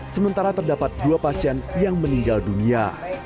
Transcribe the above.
sementara terdapat dua pasien yang meninggal dunia